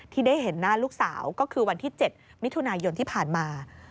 ที่ได้เห็นหน้าลูกสาวก็คือวันที่๗มิถุนายนที่ผ่านมา